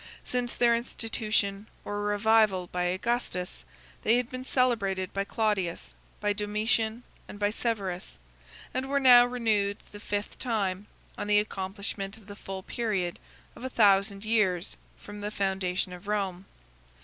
Since their institution or revival by Augustus, 56 they had been celebrated by Claudius, by Domitian, and by Severus, and were now renewed the fifth time, on the accomplishment of the full period of a thousand years from the foundation of Rome.